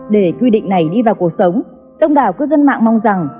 để quy định này đi vào cuộc sống đông đảo cư dân mạng mong rằng